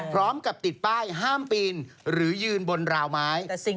พร้อมกับติดป้ายห้ามปีนหรือยืนบนราวไม้